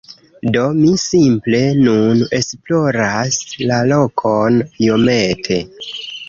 Do, mi simple nun esploras la lokon iomete